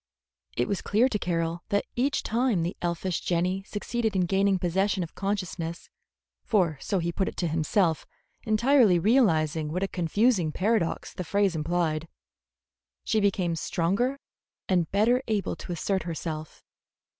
It was clear to Carroll that each time the elfish Jenny succeeded in gaining possession of consciousness, for so he put it to himself, entirely realizing what a confusing paradox the phrase implied, she became stronger and better able to assert herself.